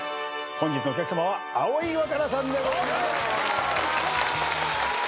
本日のお客さまは葵わかなさんでございます。